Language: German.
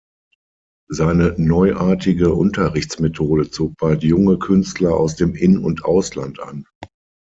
Seine neuartige Unterrichtsmethode zog bald junge Künstler aus dem In- und Ausland an.